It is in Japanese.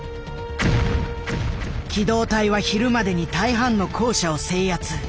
機動隊は昼までに大半の校舎を制圧。